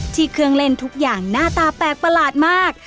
เครื่องเล่นทุกอย่างหน้าตาแปลกประหลาดมาก